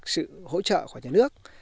sự hỗ trợ của nhà nước